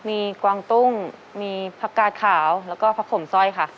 มีกวางตุ้งมีผักกาดขาวแล้วก็ผักขมสร้อยค่ะ